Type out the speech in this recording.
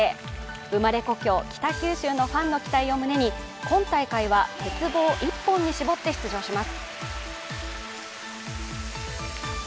生まれ故郷、北九州のファンの期待を胸に今大会は鉄棒一本に絞って出場します。